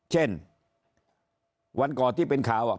เช่นวันก่อนที่เป็นข่าว